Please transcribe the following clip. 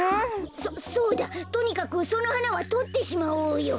そそうだとにかくそのはなはとってしまおうよ。